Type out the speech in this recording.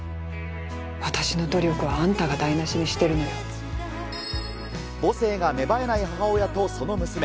私の努力はあんたが台なしに母性が芽生えない母親とその娘。